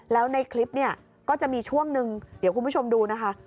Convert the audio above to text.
แล้วในคลิปเนี่ยก็จะมีช่วงหนึ่งเดี๋ยวคุณผู้ชมดูนะคะ